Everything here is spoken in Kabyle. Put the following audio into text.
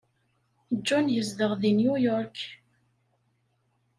John yezdeɣ deg New York.